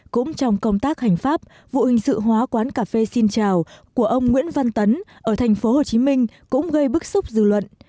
cũng trong công tác hành pháp vụ hình sự hóa quán cà phê xin chào của ông nguyễn văn tấn ở thành phố hồ chí minh cũng gây bức xúc dư luận